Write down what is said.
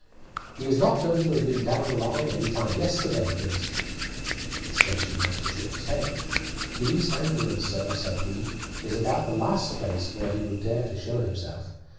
"He is not known to have been down the line any time yesterday, for instance?" The station master shook his head. "The East Anglian, sir," said he, "is about the last place where he would dare to show himself.